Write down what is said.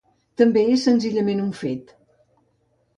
També és senzillament un fet.